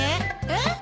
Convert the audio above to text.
えっ？